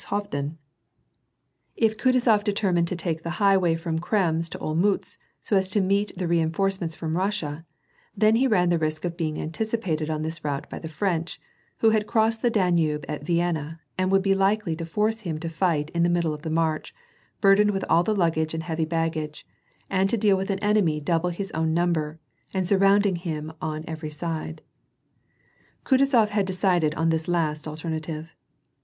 WAR AND PEACE. 201 If Kutuzof determined to take the highway from Krems to Olmutz, so as to meet the reinforcement from Kussia, then he Tan the risk of being anticipated on this route by the French, who had crossed the Danube at Vienna and would be likely to force him to light in the middle of the march, burdened with all the luggage and heavy baggage, and to deal with an enemy double his own number, and surrounding him on every side. Kutuzof had decided on this last alternative.